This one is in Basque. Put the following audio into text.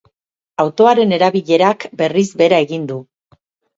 Autoaren erabilerak, berriz, behera egin du.